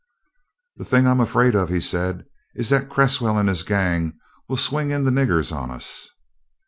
"The thing I'm afraid of," he said, "is that Cresswell and his gang will swing in the niggers on us."